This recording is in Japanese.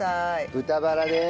豚バラでーす。